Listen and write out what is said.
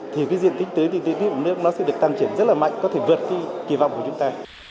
thì cái diện tích tưới tiên tiến tích cơm nước nó sẽ được tăng triển rất là mạnh có thể vượt kỳ vọng của chúng ta